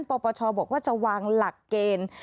ปปชบอกว่าจะวางหลักเกณฑ์